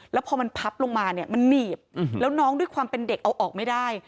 แล้วพอมันพับลงมาเนี่ยมันหนีบแล้วน้องด้วยความเป็นเด็กเอาออกไม่ได้